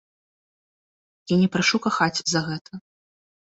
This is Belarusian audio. Я не прашу кахаць за гэта.